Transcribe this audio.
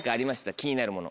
気になるもの。